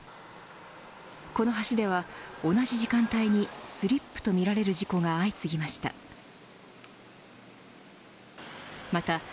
この橋では同じ時間帯にスリップとみられる事故が相次ぎました。